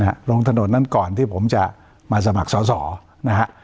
ลงถนนนั้นก่อนที่ผมจะมาสมัครสอสอนะฮะ